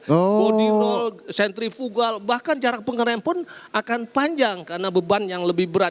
bodi roll sentrifugal bahkan jarak pengerem pun akan panjang karena beban yang lebih berat